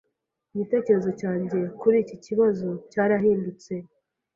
Igitekerezo cyanjye kuri iki kibazo cyarahindutse.